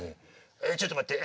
「えちょっと待って」。